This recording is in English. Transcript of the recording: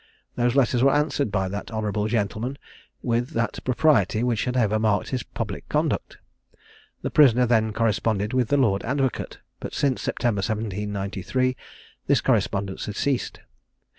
Those letters were answered by that honourable gentleman with that propriety which had ever marked his public conduct. The prisoner then corresponded with the Lord Advocate, but since September 1793, this correspondence had ceased.